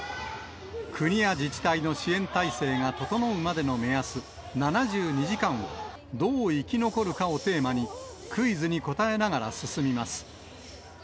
国や自治体の支援体制が整うまでの目安、７２時間を、どう生き残るかをテーマに、クイズに答えながら進みます。